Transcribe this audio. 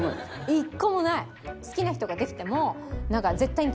１個もない！